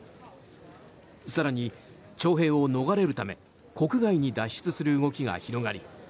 更に徴兵を逃れるため国外に脱出する動きが広がり